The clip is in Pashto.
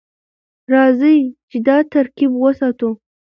راځئ چې دا ترکیب وساتو.